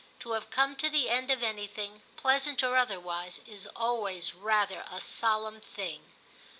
To have come to the end of anything, pleasant or otherwise, is always rather a solemn thing.